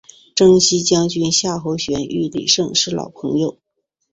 征西将军夏侯玄与李胜是老朋友。